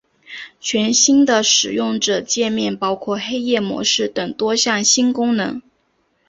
全新的使用者界面包括黑夜模式等多项新功能。